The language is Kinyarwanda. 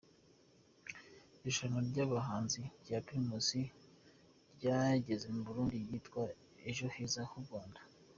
Irushanwa ry’abahanzi rya Pirimusi ryageze mu Burundi ryitwa ejo heza H’u rwanda